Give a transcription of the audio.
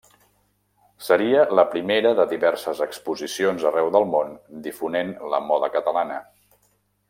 Seria la primera de diverses exposicions arreu del món difonent la moda catalana.